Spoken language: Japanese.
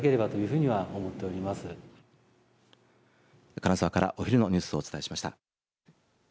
金沢からお昼のニュースをお伝えしました。